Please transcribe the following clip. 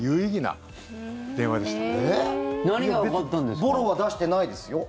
ぼろは出してないですよ。